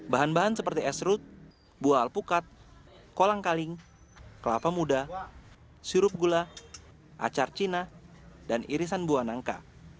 bahan bahan seperti esrut buah alpukat kolang kaling kelapa muda sirup gula acar cina dan irisan buah nangka